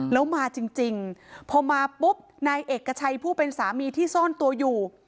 แล้วมาจริงพอมาปุ๊บนายเอกชัยผู้เป็นสามีที่ซ่อนตัวอยู่